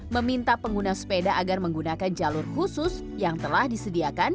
meminta pengguna sepeda agar menggunakan jalur khusus yang telah disediakan